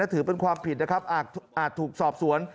ถือเป็นความผิดนะครับอาจถูกสอบสวน